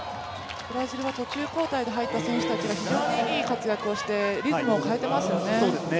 ブラジルは途中交代で入ってきた選手たちが非常にいい活躍をしてリズムを変えてますよね。